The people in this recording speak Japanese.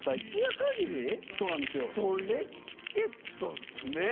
それチケットねぇ！